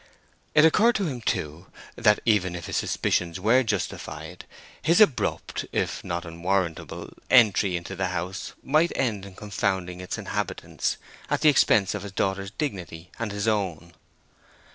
It occurred to him, too, that even if his suspicion were justified, his abrupt, if not unwarrantable, entry into the house might end in confounding its inhabitant at the expense of his daughter's dignity and his own.